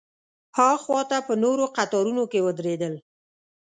ها خوا ته په نورو قطارونو کې ودرېدل.